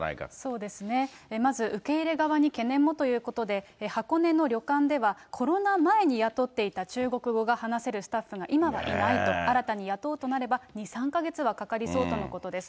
そうですね、まず受け入れ側に懸念もということで、箱根の旅館では、コロナ前に雇っていた中国語が話せるスタッフが今はいないと、新たに雇うとなれば、２、３か月はかかりそうとのことです。